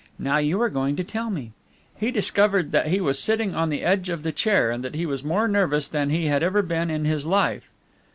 Now you are going to tell me." He discovered that he was sitting on the edge of the chair and that he was more nervous than he had ever been in his life.